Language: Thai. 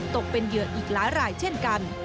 ตกเป็นเหยื่ออีกหลายรายเช่นกัน